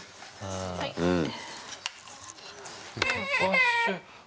うん。